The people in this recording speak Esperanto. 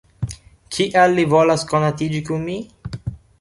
Kial li volas konatiĝi kun mi?